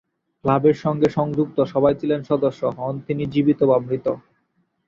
ক্লাবের সঙ্গে সংযুক্ত সবাই ছিলেন সদস্য, হন তিনি জীবিত বা মৃত।